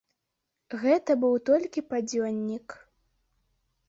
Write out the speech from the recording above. Гэта быў толькі падзённік.